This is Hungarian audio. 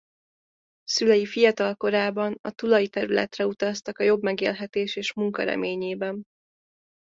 Szülei fiatal korában a Tulai területre utaztak a jobb megélhetés és munka reményében.